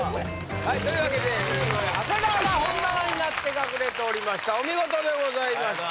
はいというわけで長谷川が本棚になって隠れておりましたお見事でございました